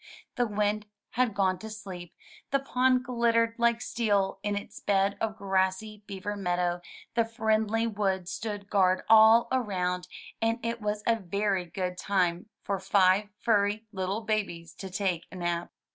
The wind had gone to sleep, the pond glittered like steel in its bed of grassy beaver meadow, the friendly wood stood guard all around, and it was a very good time for five furry little babies to take a nap.